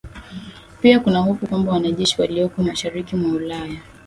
Pia kuna hofu kwamba wanajeshi walioko mashariki mwa Ulaya